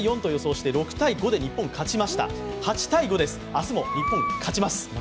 明日も日本、勝ちます！